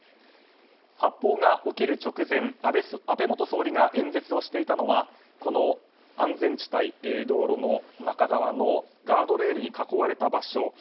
発砲が起きる直前、安倍元総理が演説をしていたのは安全地帯道路の中側のガードレールに囲われた場所。